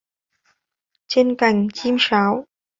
Trên cành, chim sáo